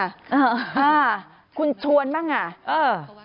อ่าคุณชวนบ้างอ่ะเออ